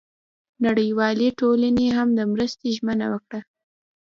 نړیوالې ټولنې هم د مرستې ژمنه وکړه.